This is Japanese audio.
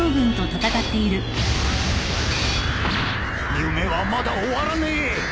夢はまだ終わらねえ！